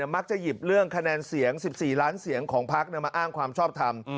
มักจะหยิบเรื่องคะแนนเสียง๑๔ล้านเสียงของพักมาอ้างความชอบทำ